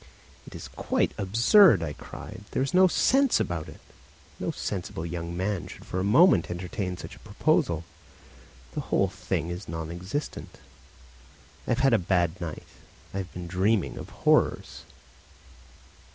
"It is quite absurd!" I cried, "there is no sense about it. No sensible young man should for a moment entertain such a proposal. The whole thing is non existent. I have had a bad night, I have been dreaming of horrors."